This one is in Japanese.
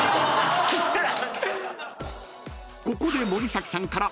［ここで森崎さんから］